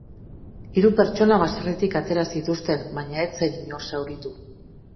Hiru pertsona baserritik atera zituzten, baina ez zen inor zauritu.